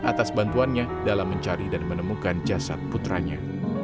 atas bantuannya dalam mencari dan menemukan jasad putranya